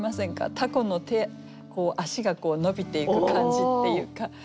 タコの手足が伸びていく感じっていうか。